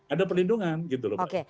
ada perlindungan gitu loh pak